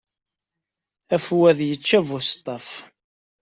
Afwad yečča-t buseṭṭaf.